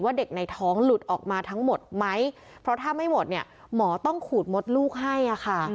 เด็กในท้องหลุดออกมาทั้งหมดไหมเพราะถ้าไม่หมดเนี่ยหมอต้องขูดมดลูกให้อ่ะค่ะ